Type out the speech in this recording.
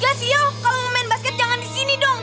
glassio kalau mau main basket jangan di sini dong